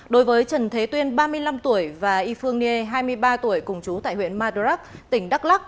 đối với trần thế tuyên ba mươi năm tuổi và y phương niê hai mươi ba tuổi cùng chú tại huyện madrak tỉnh đắk lắc